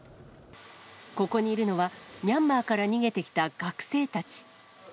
ここにいるのは、ミャンマーから逃げてきた学生たち。